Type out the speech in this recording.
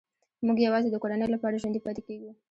موږ یوازې د کورنۍ لپاره ژوندي پاتې کېږو